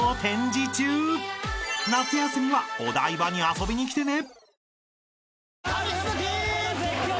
［夏休みはお台場に遊びに来てね］